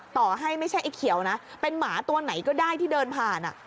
ต่อให้ไม่ใช่ไอ้เขียวนะเป็นหมาตัวไหนก็ได้ที่เดินผ่าน